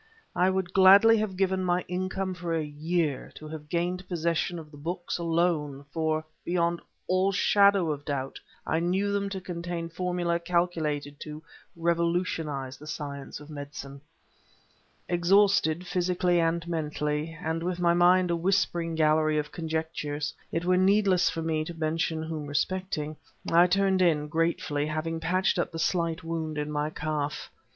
I would gladly have given my income for a year, to have gained possession of the books, alone; for, beyond all shadow of doubt, I knew them to contain formula calculated to revolutionize the science of medicine. Exhausted, physically and mentally, and with my mind a whispering gallery of conjectures (it were needless for me to mention whom respecting) I turned in, gratefully, having patched up the slight wound in my calf.